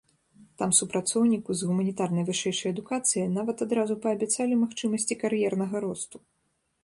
Там супрацоўніку з гуманітарнай вышэйшай адукацыяй нават адразу паабяцалі магчымасці кар'ернага росту.